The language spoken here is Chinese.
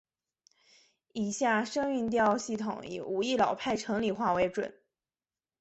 以下声韵调系统以武义老派城里话为准。